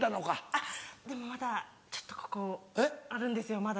あっでもまだちょっとここあるんですよまだちょっと。